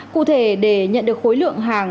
cụ thể để nhận được khối lượng hàng